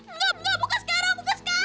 enggak buka sekarang buka sekarang